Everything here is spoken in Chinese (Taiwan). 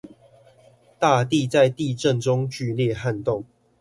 大地在地震中劇烈撼動